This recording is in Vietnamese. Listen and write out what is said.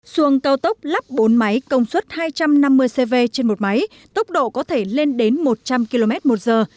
xuồng cao tốc lắp bốn máy công suất hai trăm năm mươi cv trên một máy tốc độ có thể lên đến một trăm linh km một giờ